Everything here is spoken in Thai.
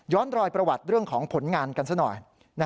รอยประวัติเรื่องของผลงานกันซะหน่อย